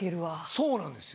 そうなんですよ。